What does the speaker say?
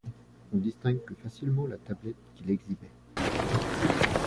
On distingue plus facilement la tablette qu'il exhibait.